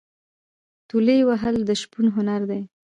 تولې وهل د شپون هنر دی.